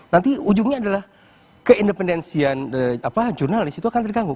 nanti ujungnya adalah keindependensian jurnalis itu akan terganggu